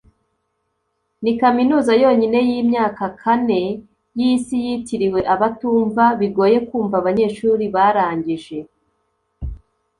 Ni kaminuza yonyine yimyaka kane yisi yitiriwe abatumva & bigoye kumva abanyeshuri barangije